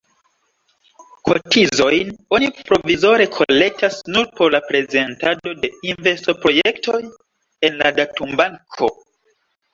Kotizojn oni provizore kolektas nur por la prezentado de investoprojektoj en la datumbanko.